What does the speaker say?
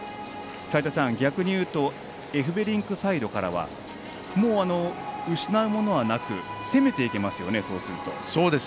逆に言うとエフベリンクサイドからは失うものはなく攻めていけますよね、そうすると。